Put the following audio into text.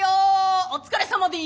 お疲れさまです。